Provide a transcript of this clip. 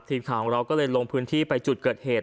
ทีมข่าวของเราก็เลยลงพื้นที่ไปจุดเกิดเหตุ